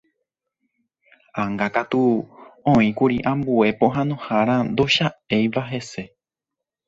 Ág̃akatu oĩkuri ambue pohãnohára ndocha'éiva hese.